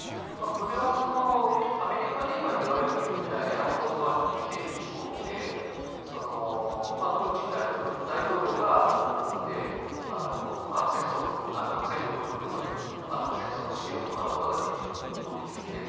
これはアメリカでいえば有名なエアフォース・ワンに似ている飛行機でプーチン大統領が乗り込んで核戦力を含む戦争の指揮を行うことができる飛行機です。